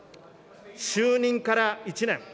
就任から１年。